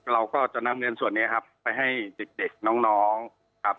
เราก็จะนำเงินส่วนนี้ครับไปให้เด็กน้องครับ